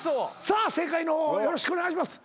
さあ正解の方よろしくお願いします。